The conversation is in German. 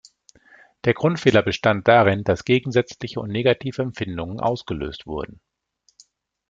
Der Grundfehler bestand darin, dass gegensätzliche und negative Empfindungen ausgelöst wurden.